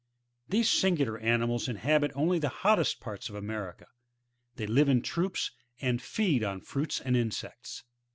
These singular animals inhabit only the hottest parts o! America; they live in troops, and feed on fruits and insects.